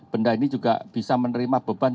benda ini juga bisa menerima beban